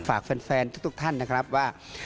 ฝากแฟนทุกท่านนะครับว่า